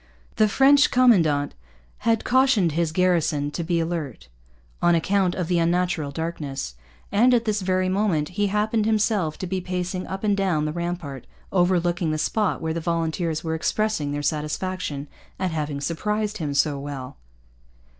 The French commandant had cautioned his garrison to be alert, on account of the unusual darkness; and, at this very moment, he happened himself to be pacing up and down the rampart overlooking the spot where the volunteers were expressing their satisfaction at having surprised him so well.